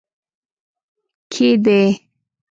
کې دی